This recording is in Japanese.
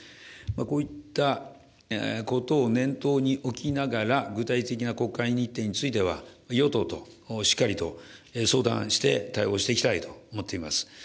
こういったことを念頭に置きながら、具体的な国会日程については、与党としっかりと相談して対応していきたいと思っています。